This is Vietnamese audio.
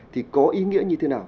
thì có ý nghĩa như thế nào